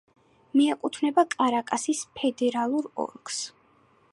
მიეკუთვნება კარაკასის ფედერალურ ოლქს.